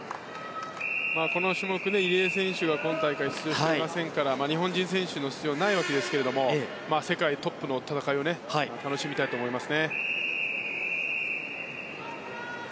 この種目、入江選手が今大会、出場していませんから日本人選手の出場はないわけですけれども世界トップの戦いを楽しみたいと思います。